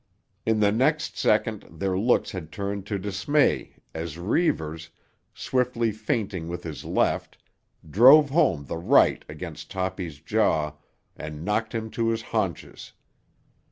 In the next second their looks had turned to dismay as Reivers, swiftly feinting with his left, drove home the right against Toppy's jaw and knocked him to his haunches.